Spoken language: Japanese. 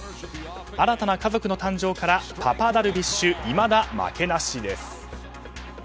新たな家族の誕生からパパダルビッシュいまだ負けなしです。